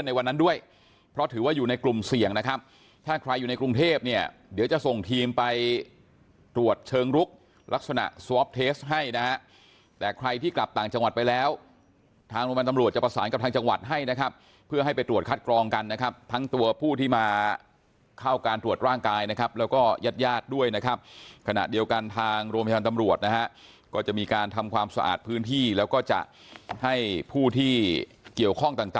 ลักษณะสวอปเทสต์ให้นะครับแต่ใครที่กลับต่างจังหวัดไปแล้วทางโรงพยาบาลตำรวจจะประสานกับทางจังหวัดให้นะครับเพื่อให้ไปตรวจคัดกรองกันนะครับทั้งตัวผู้ที่มาเข้าการตรวจร่างกายนะครับแล้วก็ญาติญาติด้วยนะครับขณะเดียวกันทางโรงพยาบาลตำรวจนะฮะก็จะมีการทำความสะอาดพื้นที่แล้วก็จะให้ผู้ที่เกี่ย